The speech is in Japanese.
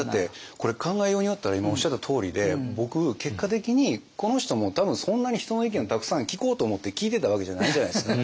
これ考えようによったら今おっしゃったとおりで僕結果的にこの人も多分そんなに人の意見をたくさん聞こうと思って聞いてたわけじゃないじゃないですか。